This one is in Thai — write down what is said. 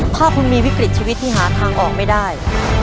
ถ้าคุณมีวิกฤตชีวิตที่หาทางออกไม่ได้